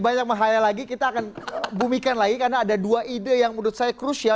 banyak menghayal lagi kita akan bumikan lagi karena ada dua ide yang menurut saya krusial